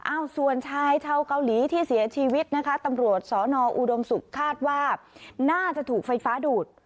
ส่วนชายชาวเกาหลีที่เสียชีวิตนะคะตำรวจสอนออุดมศุกร์คาดว่าน่าจะถูกไฟฟ้าดูด